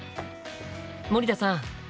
森田さん